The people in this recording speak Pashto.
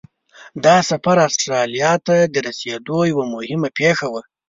دا سفر استرالیا ته د رسېدو یوه مهمه پیښه وه.